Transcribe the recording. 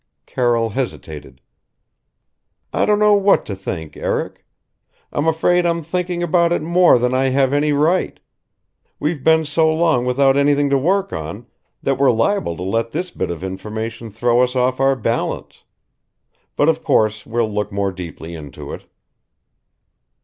Carroll hesitated. "I don't know what to think, Eric. I'm afraid I'm thinking about it more than I have any right. We've been so long without anything to work on, that we're liable to let this bit of information throw us off our balance. But of course we'll look more deeply into it."